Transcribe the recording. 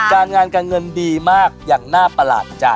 การงานการเงินดีมากอย่างน่าประหลาดใจ